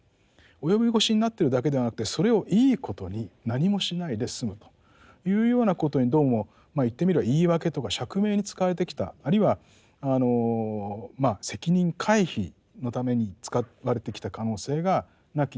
及び腰になってるだけではなくてそれをいいことに何もしないで済むというようなことにどうも言ってみれば言い訳とか釈明に使われてきたあるいは責任回避のために使われてきた可能性がなきにしもあらずだった。